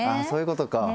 そういうことか。